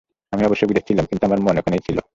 আমি অবশ্যই বিদেশ ছিলাম, কিন্তু আমার মন এখানেই ছিল।